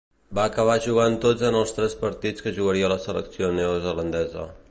Va acabar jugant tots en els tres partits que jugaria la selecció neozelandesa.